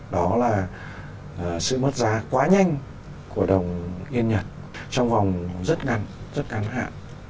đó là sự mất giá quá nhanh của đồng yên nhật trong vòng rất ngắn rất ngắn hạn